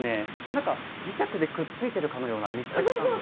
なんか磁石でくっついてるかのような密着感があります。